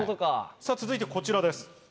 さぁ続いてこちらです。